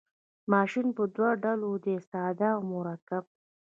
ماشین په دوه ډوله دی ساده او مرکب.